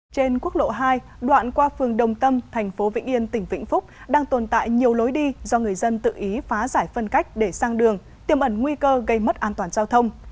trên quốc lộ hai đoạn qua phường đồng tâm thành phố vĩnh yên tỉnh vĩnh phúc đang tồn tại nhiều lối đi do người dân tự ý phá giải phân cách để sang đường tiêm ẩn nguy cơ gây mất an toàn giao thông